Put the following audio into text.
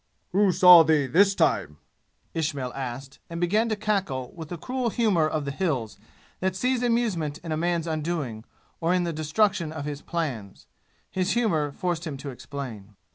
"Who saw thee this time?" Ismail asked, and began to cackle with the cruel humor of the "Hills," that sees amusement in a man's undoing, or in the destruction of his plans. His humor forced him to explain.